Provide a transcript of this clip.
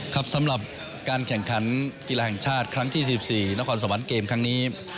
ครับสำหรับการแข่งขันกีฬาแห่งชาติครั้งที่๑๔นครสวรรค์เกมครั้งนี้